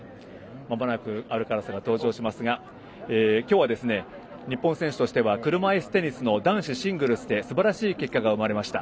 まもなくアルカラスが登場しますが今日は、日本選手としては車いすテニスの男子シングルスですばらしい結果が生まれました。